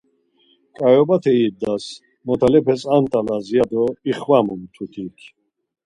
Ǩayobate irdas, motalepes ant̆alas ya do ixvamu mtutik.